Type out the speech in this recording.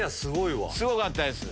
すごかったです。